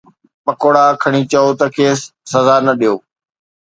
پڪوڙا کڻي چئو ته کيس سزا نه ڏيو